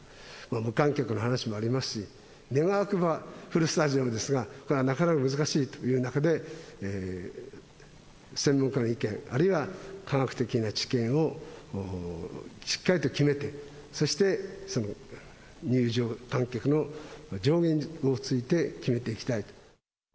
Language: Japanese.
無観客の話もありますし、願わくばフルスタジアムですが、これはなかなか難しいという中で、専門家の意見、あるいは科学的な知見をしっかりと決めて、そして、入場観客の上限について決めていきたいと。